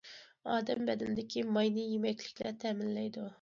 ئادەم بەدىنىدىكى ماينى يېمەكلىكلەر تەمىنلەيدۇ.